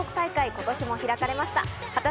今年も開かれました。